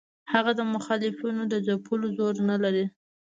هغه د مخالفینو د ځپلو زور نه لري.